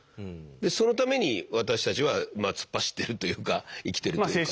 でそのために私たちはまあ突っ走ってるというか生きてるというか。